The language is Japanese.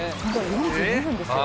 ４２分ですよ。